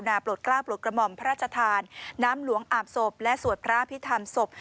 ปลดกล้าปลดกระหม่อมพระราชทานน้ำหลวงอาบศพและสวดพระอภิษฐรรมศพ